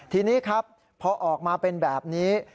ทีนี้ครับพอออกมาเป็นแบบนี้